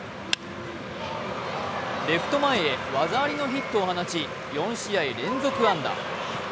レフト前へ技ありのヒットを放ち４試合連続安打。